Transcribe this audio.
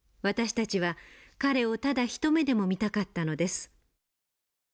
私たちは彼をただ一目でも見たかったのです。